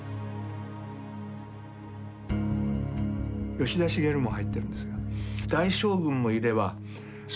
吉田茂も入ってるんですが。